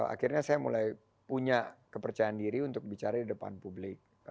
akhirnya saya mulai punya kepercayaan diri untuk bicara di depan publik